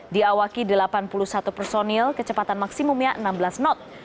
diawaki delapan puluh satu personil kecepatan maksimumnya enam belas knot